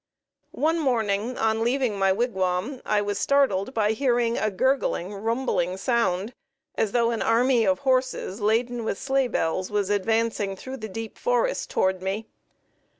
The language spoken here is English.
One morning on leaving my wigwam I was startled by hearing a gurgling, rumbling sound, as though an army of horses laden with sleigh bells was advancing through the deep forests towards me.